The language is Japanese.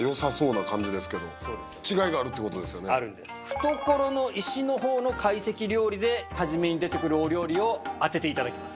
懐の石のほうの懐石料理で初めに出てくるお料理を当てて頂きます。